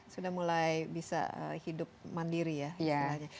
sudah mulai bisa hidup mandiri ya istilahnya